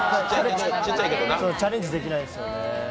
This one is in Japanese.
チャレンジできないんですよね。